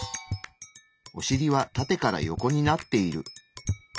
おしりはタテからヨコになっている。